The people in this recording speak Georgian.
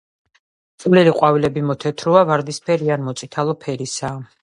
წვრილი ყვავილები მოთეთროა, ვარდისფერი ან მოწითალო ფერისაა.